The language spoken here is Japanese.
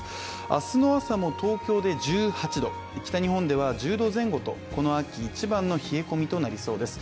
明日の朝も東京で１８度、北日本では１０度前後とこの秋一番の冷え込みとなりそうです。